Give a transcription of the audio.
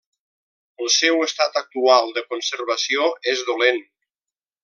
El seu estat actual de conservació és dolent.